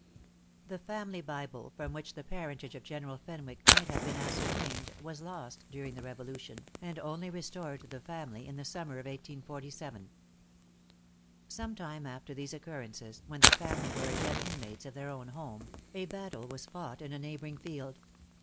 The family Bible, from which the parentage of General Fenwick might have been ascertained, was lost during the Revolution, and only restored to the family in the summer of 1847. Some time after these occurrences, when the family were again inmates of their own home, a battle was fought in a neighboring field.